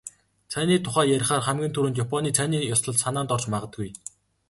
Цайны тухай ярихаар хамгийн түрүүнд "Японы цайны ёслол" санаанд орж магадгүй.